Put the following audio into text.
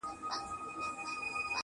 زما په لاس كي هتكړۍ داخو دلې ويـنـمـه.